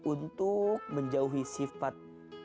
untuk menjauhi sifat